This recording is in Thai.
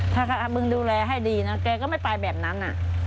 ถ้ามึงดูแลให้ดีนะแกก็ไม่ไปแบบนั้น